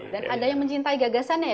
dan ada yang mencintai gagasan ya